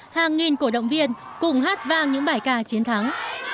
hàng nghìn cổ động viên cùng hát vang những bài ca chiến thắng